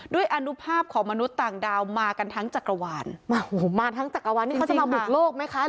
อนุภาพของมนุษย์ต่างดาวมากันทั้งจักรวาลมาทั้งจักรวาลนี่เขาจะมาบุกโลกไหมคะ